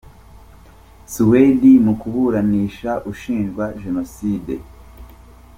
Suwedi mu kuburanisha ushinjwa Jenoside